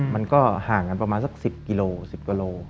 มันก็ห่างกันประมาณสัก๑๐กิโล๑๐กิโล